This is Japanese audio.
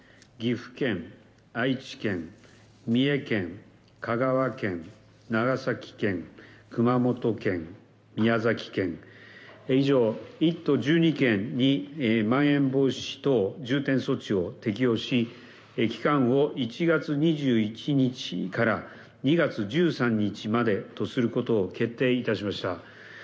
岐阜県、愛知県、三重県、香川県、長崎県、熊本県、宮崎県、以上、１都１２県に、まん延防止等重点措置を適用し、期間を１月２１日から２月１３日までとすることを決定いたしました。